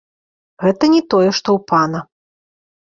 Гэта не тое што ў пана.